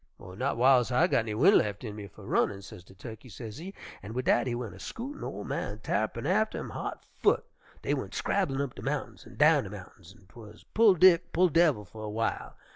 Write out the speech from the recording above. "'Not w'iles I got any wind lef' in me fer runnin',' sez de Tukkey, sezee, an' wid dat he went a scootin', ol' man Tarr'pin atter him, hot foot. Dey went scrabblin' up de mountains an' down de mountains, an' 'twuz pull Dick, pull devil, fer a w'ile.